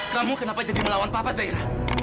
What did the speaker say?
kamu kenapa jadi melawan papa zairah